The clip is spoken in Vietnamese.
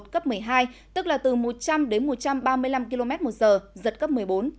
cấp một mươi hai tức là từ một trăm linh đến một trăm ba mươi năm km một giờ giật cấp một mươi bốn